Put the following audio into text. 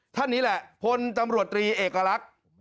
ท่านนี้แหละพลตำรวจตรีเอกลักษณ์